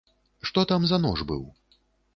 Што там за нож быў?